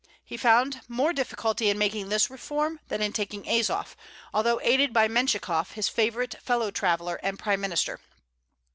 He found more difficulty in making this reform than in taking Azof, although aided by Mentchikof, his favorite, fellow traveller, and prime minister.